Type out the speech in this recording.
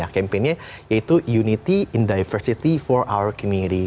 jadi aku membawa platform atau kampanye ya yaitu unity in diversity for our community